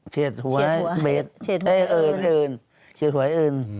เฉียดหัวเอิญ